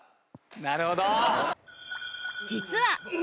なるほど！